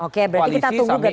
oke berarti kita tunggu berikutnya